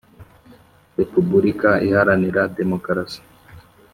Repubulika iharanira demokarasi